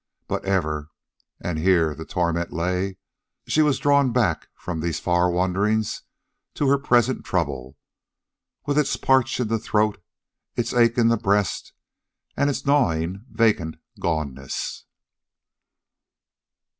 But ever and here the torment lay she was drawn back from these far wanderings to her present trouble, with its parch in the throat, its ache in the breast, and its gnawing, vacant goneness.